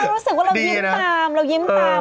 วันนี้เห็นคลิปนี้เรารู้สึกว่าเรายิ้มตาม